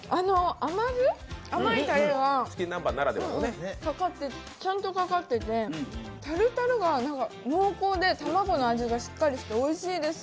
甘酢、甘いたれがちゃんとかかっててタルタルが濃厚で卵の味がしっかりしておいしいです。